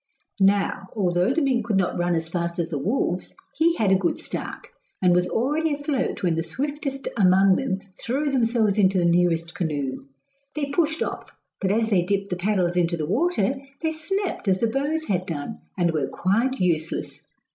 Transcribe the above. Now, although the mink could not run as fast as the wolves, he had a good start, and was already afloat when the swiftest among them threw themselves into the nearest canoe. They pushed off, but as they dipped the paddles into the water, they snapped as the bows had done, and were quite useless.